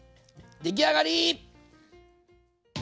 出来上がり！